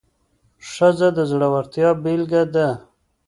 ښځه د زړورتیا بیلګه ده.